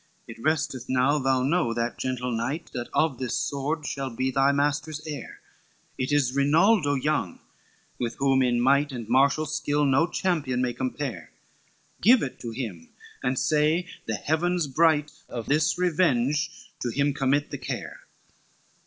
XXXVIII "'It resteth now, thou know that gentle knight That of this sword shall be thy master's heir, It is Rinaldo young, with whom in might And martial skill no champion may compare, Give it to him and say, "The Heavens bright Of this revenge to him commit the care."